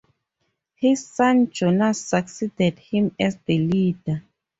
His son Jonas succeeded him as the leader.